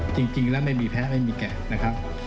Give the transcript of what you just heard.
จริงแล้วไม่มีแพ้ไม่มีแก่นะครับ